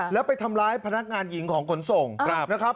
แล้วไปทำร้ายพนักงานหญิงของขนส่งนะครับ